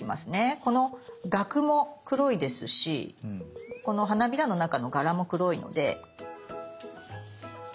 このがくも黒いですしこの花びらの中の柄も黒いので。